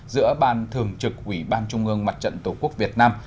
giữa ban thường trực ủy ban trung ương mặt trận tổ quốc việt nam